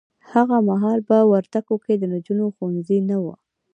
هغه محال په وردګو کې د نجونو ښونځي نه وه